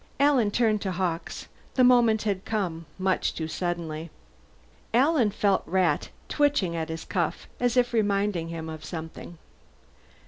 Alan turned to Hawkes. The moment had come, much too suddenly. Alan felt Rat twitching at his cuff, as if reminding him of something.